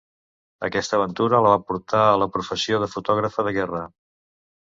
Aquesta aventura la va portar a la professió de fotògrafa de guerra.